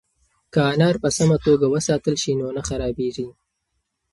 که انار په سمه توګه وساتل شي نو نه خرابیږي.